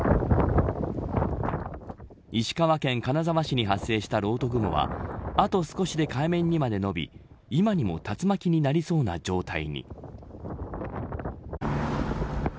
石川県金沢市に発生したろうと雲はあと少しで海面にまで伸び今にも竜巻になりそうな状態に。